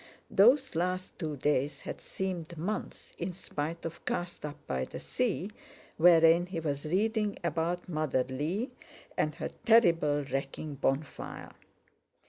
Those last two days had seemed months in spite of Cast Up by the Sea, wherein he was reading about Mother Lee and her terrible wrecking bonfire.